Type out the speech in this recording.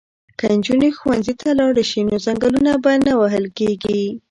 که نجونې ښوونځي ته لاړې شي نو ځنګلونه به نه وهل کیږي.